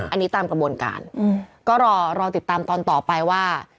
อันนี้ตามกระบวนการก็รอรอติดตามตอนต่อไปว่า